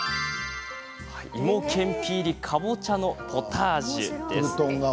いもけんぴ入りかぼちゃのポタージュです。